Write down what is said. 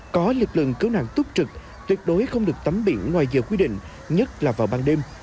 có lực lượng cứu nạn túc trực tuyệt đối không được tắm biển ngoài giờ quy định nhất là vào ban đêm